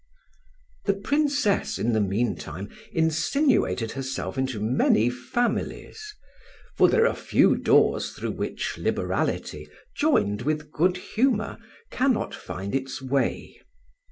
THE Princess in the meantime insinuated herself into many families; for there are few doors through which liberality, joined with good humour, cannot find its way.